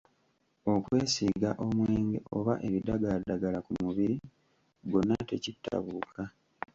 Okwesiiga omwenge oba ebidagaladagala ku mubiri gwonna tekitta buwuka.